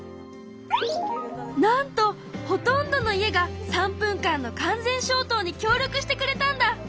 なんとほとんどの家が３分間の完全消灯に協力してくれたんだ！